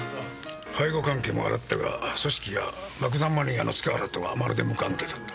背後関係も洗ったが組織や爆弾マニアの塚原とはまるで無関係だった。